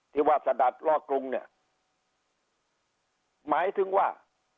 ที่ว่าสะดัดลอกกรุงเนี่ยหมายถึงว่า